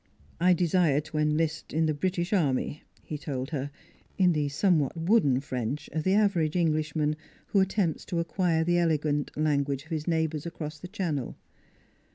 " I desired to enlist in the British army," he told her, in the somewhat wooden French of the average Englishman who attempts to acquire the elegant language of his neighbors across the channel.